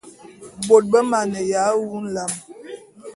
Bôt be maneya wu nlam.